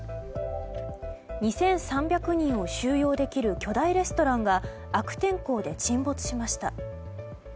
２３００人を収容できる巨大レストランが悪天候で沈没しました。